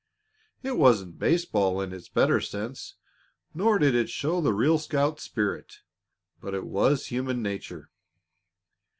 It wasn't baseball, in its better sense, nor did it show the real scout spirit, but it was human nature.